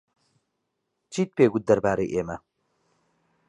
چیت پێ گوت دەربارەی ئێمە؟